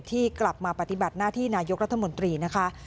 ที่กลับมาปฏิบัติหน้าที่นายกรัฐมนตรีนะคะ